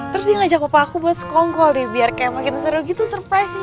terus dia ngajak papa aku buat skongkol deh biar kayak makin seru gitu surprise nya